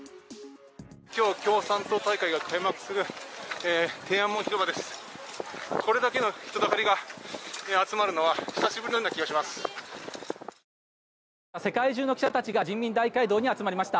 今日共産党大会が開幕する天安門広場です。